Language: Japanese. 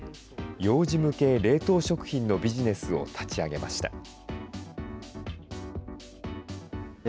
幼児向け冷凍食品のビジネスを立ち上げました。